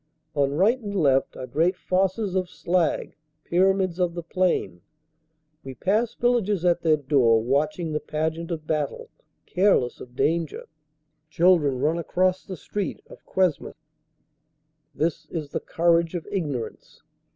On right and left are great "fosses" of slag, pyra mids of the plain. We pass villagers at their door watching the pageant of battle, careless of danger. Children run across the street of Cuesmes. This is the courage of ignorance.